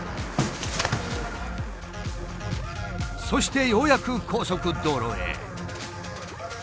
そしてようやく高速道路へ。